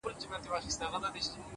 o بیرته چي یې راوړې؛ هغه بل وي زما نه ؛